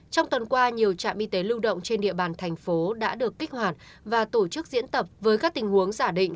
trong tuần qua nhiều trạm y tế lưu động trên địa bàn thành phố đã được kích hoạt và tổ chức diễn tập với các tình huống giả định